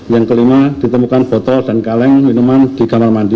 yang kelima ditemukan botol dan kaleng minuman di kanal mandi